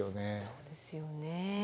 そうですよね。